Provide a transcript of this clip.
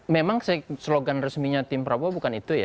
memang slogan resminya tim prabowo bukan itu ya